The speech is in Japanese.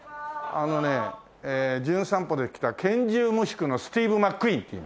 あのね『じゅん散歩』で来た『拳銃無宿』のスティーヴ・マックイーンっていいます。